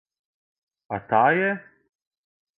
А та је?